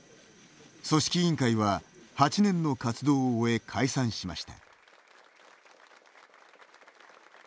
組織委員会は８年の活動を終え解散しました。